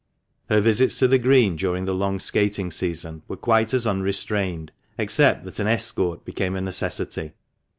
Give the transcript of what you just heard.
Her visits to the Green during the long skating season were quite as unrestrained, except that an escort became a necessity.